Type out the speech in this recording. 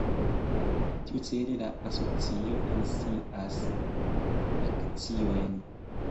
Tiucele la asocio emisias akciojn.